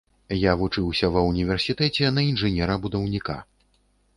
Я вучыўся ва ўніверсітэце на інжынера-будаўніка.